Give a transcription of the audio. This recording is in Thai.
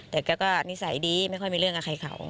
แต่แกก็นิสัยดีไม่ค่อยมีเรื่องกับใครเขา